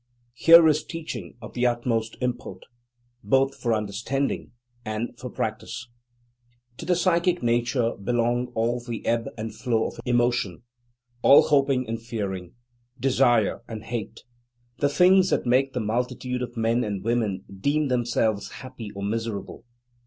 Here is teaching of the utmost import, both for understanding and for practice. To the psychic nature belong all the ebb and flow of emotion, all hoping and fearing, desire and hate: the things that make the multitude of men and women deem themselves happy or miserable.